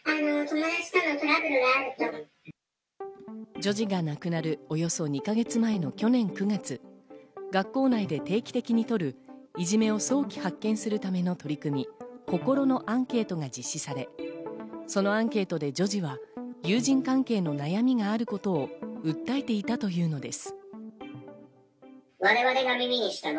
女児が亡くなるおよそ２か月前の去年９月、学校内で定期的にとるいじめを早期発見するための取り組み、心のアンケートが実施され、そのアンケートで女児は友人関係の悩みがあることを訴えていたというのです。